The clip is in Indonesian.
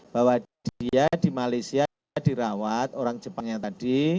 bahwa dia di malaysia dirawat orang jepangnya tadi